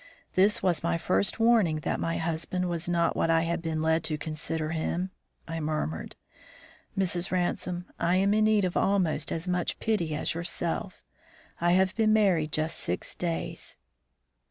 "This was my first warning that my husband was not what I had been led to consider him," I murmured. "Mrs. Ransome, I am in need of almost as much pity as yourself. I have been married just six days."